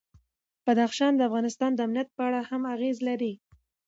بدخشان د افغانستان د امنیت په اړه هم اغېز لري.